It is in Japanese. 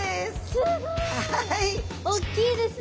すごい！大きいですね！